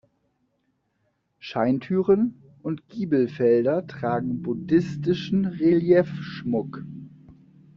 Scheintüren und Giebelfelder tragen buddhistischen Reliefschmuck.